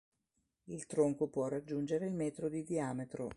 Il tronco può raggiungere il metro di diametro.